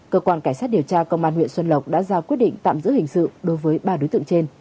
cơ quan cảnh sát điều tra công an huyện xuân lộc đã ra quyết định tạm giữ hình sự đối với ba đối tượng trên